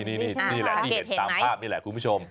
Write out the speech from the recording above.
นี่แหละที่เห็นตามภาพนี่แหละคุณผู้ชม